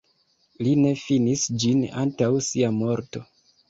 Li ne finis ĝin antaŭ sia morto.